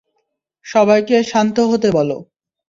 সবাইকে শান্ত হতে বলো।